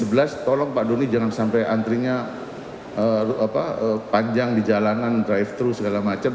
sebelas tolong pak doni jangan sampai antrinya panjang di jalanan drive thru segala macam